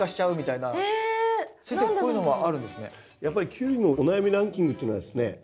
やっぱりキュウリのお悩みランキングっていうのはですね